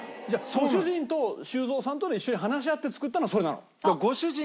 ご主人と修造さんとで一緒に話し合って作ったのがそれなの？